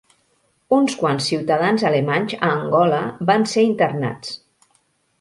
Uns quants ciutadans alemanys a Angola van ser internats.